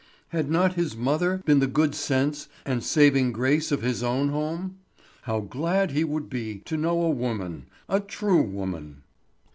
Had not his mother been the good sense and saving grace of his own home? How glad he would be to know a woman, a true woman!